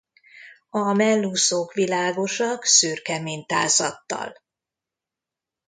A mellúszók világosak szürke mintázattal.